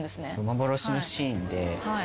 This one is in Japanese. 幻のシーンで。